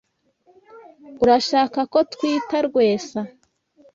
Urashaka ko twita Rwesa?